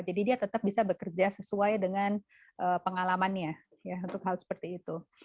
jadi dia tetap bisa bekerja sesuai dengan pengalamannya untuk hal seperti itu